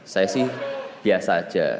saya sih biasa aja